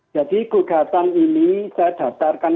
jadi gugatan ini saya dasarkan